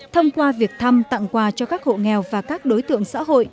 thông qua việc thăm tặng quà cho các hộ nghèo và các đối tượng xã hội